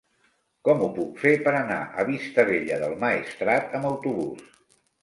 Com ho puc fer per anar a Vistabella del Maestrat amb autobús?